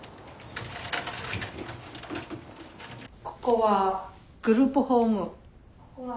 ここはグループホーム。